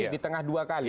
di tengah dua kali